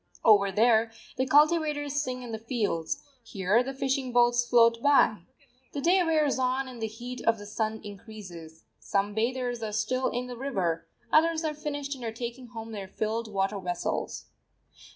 Over there the cultivators sing in the fields: here the fishing boats float by. The day wears on and the heat of the sun increases. Some bathers are still in the river, others are finished and are taking home their filled water vessels.